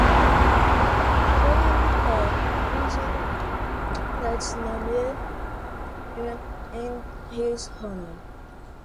A building at Virginia Tech is named in his honor.